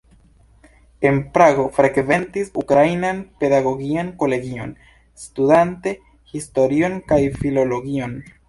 En Prago frekventis Ukrainan pedagogian kolegion, studante historion kaj filologion.